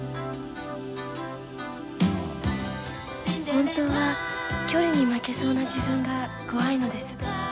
本当は距離に負けそうな自分が怖いのです